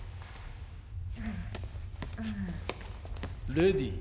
レディー